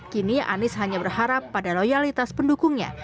kini anies hanya berharap pada loyalitas pendukungnya